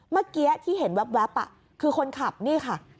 เมื่อกี้ที่เห็นแว๊บคือคนขับนี่ค่ะ